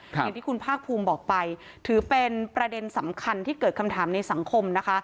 อย่างที่คุณภาคภูมิบอกไปถือเป็นประเด็นสำคัญที่เกิดคำถามในสังคมนะคะ